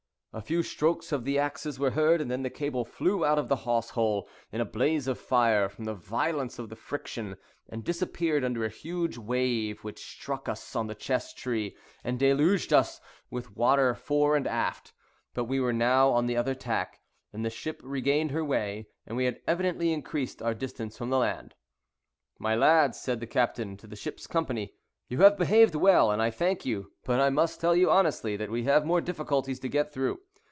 A few strokes of the axes were heard, and then the cable flew out of the hawse hole in a blaze of fire, from the violence of the friction, and disappeared under a huge wave, which struck us on the chesstree, and deluged us with water fore and aft. But we were now on the other tack, and the ship regained her way, and we had evidently increased our distance from the land. "My lads," said the captain to the ship's company, "you have behaved well, and I thank you; but I must tell you honestly that we have more difficulties to get through.